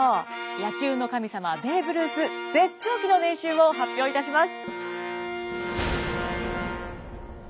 野球の神様ベーブ・ルース絶頂期の年収を発表いたします。